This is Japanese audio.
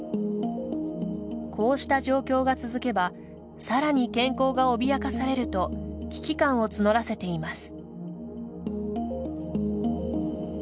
こうした状況が続けばさらに健康が脅かされると危機感を募らせています。